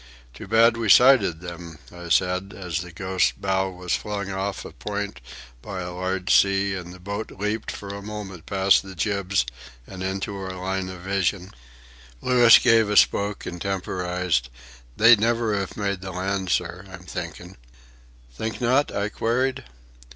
"Too bad we sighted them," I said, as the Ghost's bow was flung off a point by a large sea and the boat leaped for a moment past the jibs and into our line of vision. Louis gave a spoke and temporized. "They'd never iv made the land, sir, I'm thinkin'." "Think not?" I queried.